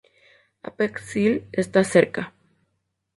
Apex Hill está cerca.